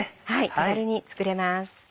手軽に作れます。